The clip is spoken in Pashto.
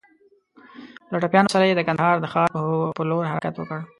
له ټپيانو سره يې د کندهار د ښار په لور حرکت وکړ.